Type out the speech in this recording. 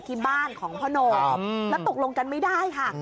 ที่บ้านของพ่อโน่แล้วตกลงกันไม่ได้ค่ะ